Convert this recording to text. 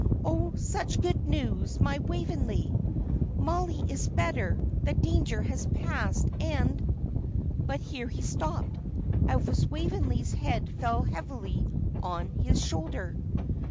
"Oh, such good news, my Waveney! Mollie is better; the danger has passed, and " But here he stopped, as Waveney's head fell heavily on his shoulder.